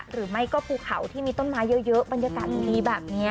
หรือไม่ก็ภูเขาที่มีต้นไม้เยอะบรรยากาศดีแบบนี้